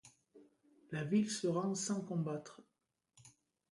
La ville se rend sans combattre.